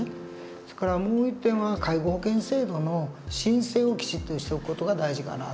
それからもう一点は介護保険制度の申請をきちっとしておく事が大事かなと。